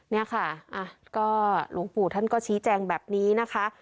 นี่ค่ะก็หลวงปู่ท่านก็ชี้แจงแบบนี้นะคะ